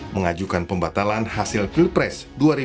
mengajukan pembatalan hasil pilpres dua ribu dua puluh empat